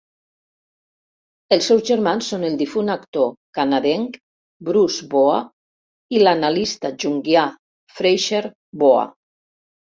Els seus germans són el difunt actor canadenc Bruce Boa i l'analista junguià Fraser Boa.